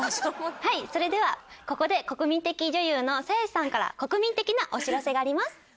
はいそれではここで国民的女優の鞘師さんから国民的なお知らせがあります。